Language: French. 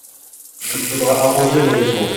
il faudra arranger vos vêtements.